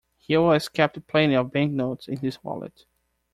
He always kept plenty of banknotes in his wallet